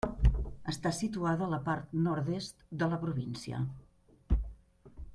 Està situada a la part nord-est de la província.